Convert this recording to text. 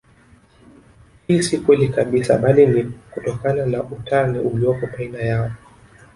Hii si kweli kabisa bali ni kutokana na utani uliopo baina yao